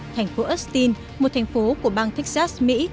thành phố austin một thành phố của bang texas mỹ